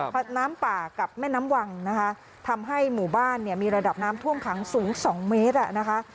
น้ำป่ากับแม่น้ำวังนะคะทำให้หมู่บ้านเนี่ยมีระดับน้ำท่วมขังสูง๒เมตรอ่ะนะคะ